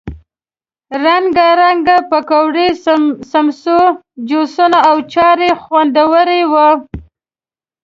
رنګه رنګه پکوړې، سموسې، جوسونه او اچار یې خوندور وو.